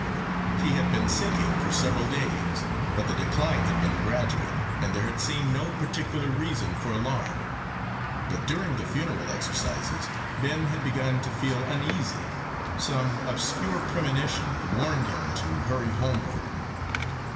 He had been sinking for several days, but the decline had been gradual, and there had seemed no particular reason for alarm. But during the funeral exercises Ben had begun to feel uneasy some obscure premonition warned him to hurry homeward.